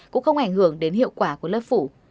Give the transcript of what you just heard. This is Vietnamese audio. cũng không ảnh hưởng đến hiệu quả của lớp phủ